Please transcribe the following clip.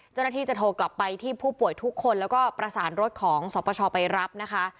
เจ้าหน้าที่จะโทรกลับไปที่ผู้ป่วยทุกคนแล้วก็ประสานรถของสปชไปรับนะคะ